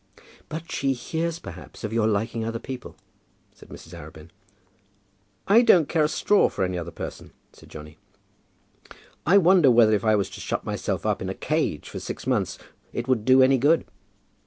"But she hears, perhaps, of your liking other people," said Mrs. Arabin. "I don't care a straw for any other person," said Johnny. "I wonder whether if I was to shut myself up in a cage for six months, it would do any good?"